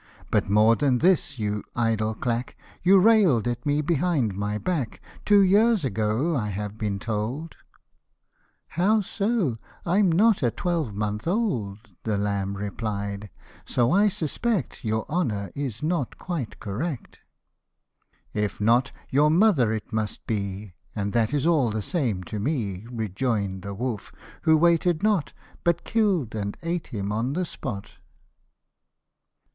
But more than this, you idle clack, You rail'd at me behind my back Two years ago, I have been told ;"" How so ? I'm not a twelvemonth old," The lamb replied ;" so I suspect Your honour is not quite correct." " If not, your mother it must be, And that is all the same to me," Rejoin'd the wolf who waited not, But kilTd and ate him on the spot.